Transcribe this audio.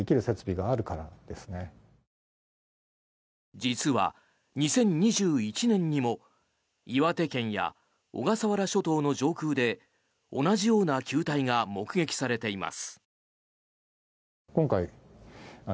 実は、２０２１年にも岩手県や小笠原諸島の上空で同じような球体が目撃されています。